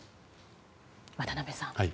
渡辺さん。